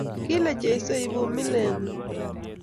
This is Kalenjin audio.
Kale Jesu, ibun miletabung’un